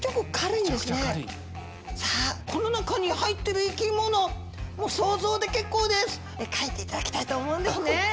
さあこの中に入ってる生き物想像で結構です描いていただきたいと思うんですね。